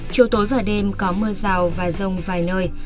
chiều tối và đêm có mưa rào và rông vài nơi